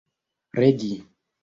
regi